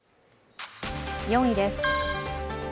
４位です。